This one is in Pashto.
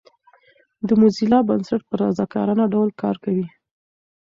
د موزیلا بنسټ په رضاکارانه ډول کار کوي.